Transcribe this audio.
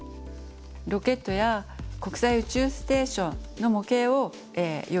ロケットや国際宇宙ステーションの模型を用意しました。